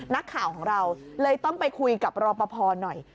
นักข่าวของเราเลยต้องไปคุยกับรอปภหน่อย